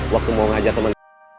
waktu mau menghajar teman